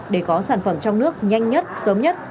để có sản phẩm trong nước nhanh nhất sớm nhất